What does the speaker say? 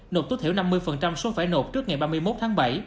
nộp tối thiểu năm mươi số phải nộp trước ngày ba mươi một tháng bảy